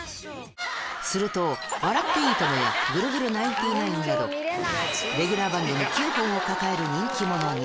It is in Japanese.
すると、笑っていいとも！やぐるぐるナインティナインなど、レギュラー番組９本を抱える人気者に。